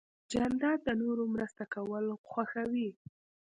جانداد د نورو مرسته کول خوښوي.